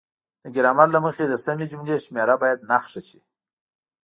د ګرامر له مخې د سمې جملې شمیره باید نښه شي.